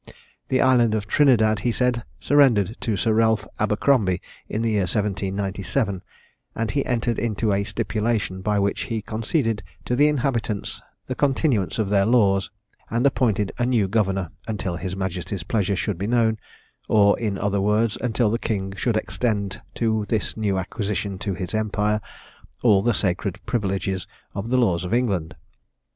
The island of Trinidad, he said, surrendered to Sir Ralph Abercrombie in the year 1797; and he entered into a stipulation, by which he conceded to the inhabitants the continuance of their laws, and appointed a new governor, until his majesty's pleasure should be known, or, in other words, until the king should extend to this new acquisition to his empire all the sacred privileges of the laws of England.